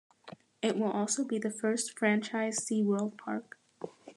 It will also be the first franchised SeaWorld park.